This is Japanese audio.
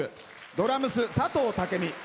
ドラムス、佐藤武美。